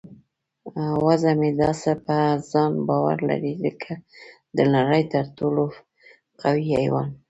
وزه مې داسې په ځان باور لري لکه د نړۍ تر ټولو قوي حیوان.